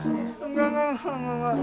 enggak enggak enggak